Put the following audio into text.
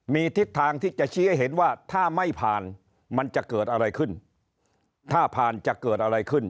มีทิศทางที่จะชี้ให้เห็นว่าถ้าไม่ผ่านมันจะเกิดอะไรขึ้นถ้าผ่านจะเกิดอะไรขึ้น